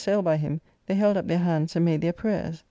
sail by him, they held up their hands and made their prayers.